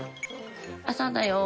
あさだよ！